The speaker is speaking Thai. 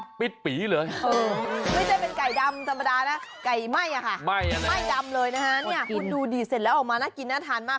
ปิดปีเลยไม่ใช่เป็นไก่ดำธรรมดานะไก่ไหม้อะค่ะไหม้ดำเลยนะคะเนี่ยคุณดูดิเสร็จแล้วออกมาน่ากินน่าทานมาก